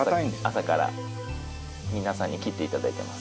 朝から皆さんに切って頂いてます。